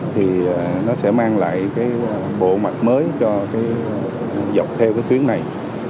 thì nó sẽ mang lại cái bộ mặt mới cho cái dọc theo cái tuyến này